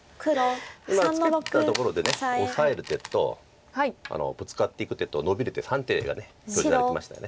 今ツケたところでオサえる手とブツカっていく手とノビる手３手が表示されてました。